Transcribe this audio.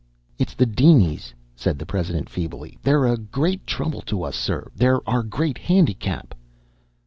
"It's the dinies," said the president feebly. "They're a great trouble to us, sir. They're our great handicap."